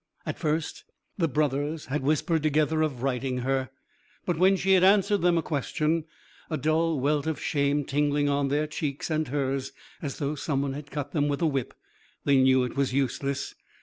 At first the brothers had whispered together of righting her, but when she had answered them a question a dull welt of shame tingling on their cheeks and hers as though some one had cut them with a whip they knew it was useless.